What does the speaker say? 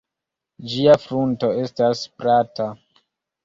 Ĝia frunto estas plata.